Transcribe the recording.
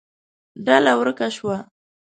ډله ورکه شوه.